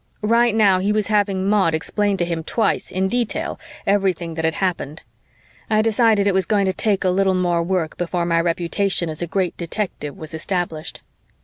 Right now, he was having Maud explain to him twice, in detail, everything that had happened. I decided that it was going to take a little more work before my reputation as a great detective was established.